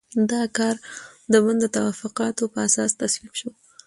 دا کار د بن د توافقاتو په اساس تصویب شو.